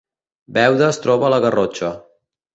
Beuda es troba a la Garrotxa